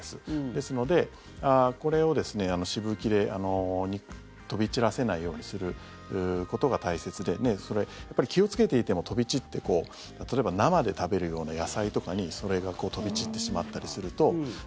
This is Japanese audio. ですので、これをしぶきで飛び散らせないようにすることが大切で気をつけていても飛び散って例えば生で食べるような野菜とかにそれが飛び散ってしまったりすると。